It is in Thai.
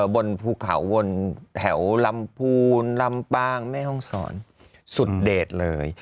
บนภูเขาบนแถวลำพูนลำปางแม่ห้องศรสุดเด็ดเลย